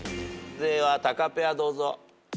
ではタカペアどうぞ。